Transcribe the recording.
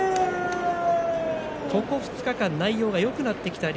ここ２日間内容がよくなってきた竜